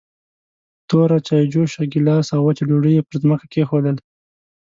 توره چايجوشه، ګيلاس او وچه ډوډۍ يې پر ځمکه کېښودل.